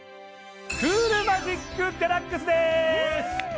クールマジックデラックスでーす！